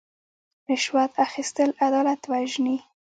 رشوت اخیستل عدالت وژني.